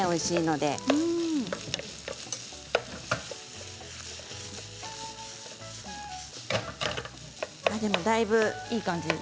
でも、だいぶいい感じです。